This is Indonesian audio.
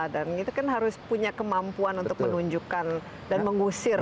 dan itu kan harus punya kemampuan untuk menunjukkan dan mengusir